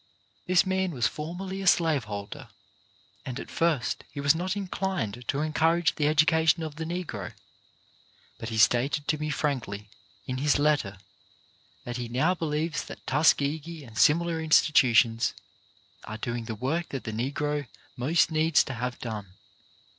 This man was formerly a slave holder, and at first he was not inclined to encourage the education of the Negro, but he stated to me frankly, in his letter, that he now believes that Tuskegee and similar institu tions are doing the work that the Negro most needs to have done.